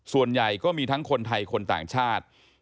ส่วนใหญ่ก็มีทั้งคนไทยคนต่างชาติ